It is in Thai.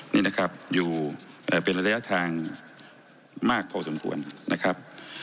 นี่นะครับอยู่เป็นระยะทางมากพอสมควรนะครับ